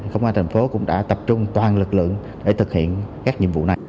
công an thành phố cũng đã tập trung toàn lực lượng để thực hiện các nhiệm vụ này